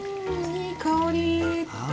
いい香り！